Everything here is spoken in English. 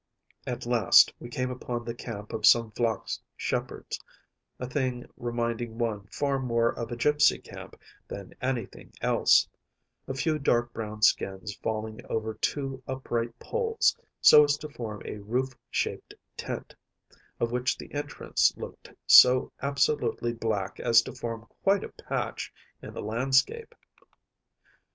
At last we came upon the camp of some Vlach shepherds‚ÄĒa thing reminding one far more of a gipsy camp than anything else‚ÄĒa few dark brown skins falling over two upright poles, so as to form a roof shaped tent, of which the entrance looked so absolutely black as to form quite a patch in the landscape.